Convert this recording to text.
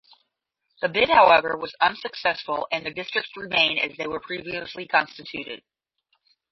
The bid, however, was unsuccessful and the districts remain as they were previously constituted.